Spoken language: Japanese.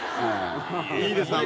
いいですね。